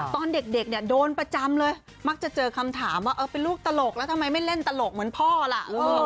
ตอนเด็กเนี่ยโดนประจำเลยมักจะเจอคำถามว่าเออเป็นลูกตลกแล้วทำไมไม่เล่นตลกเหมือนพ่อล่ะ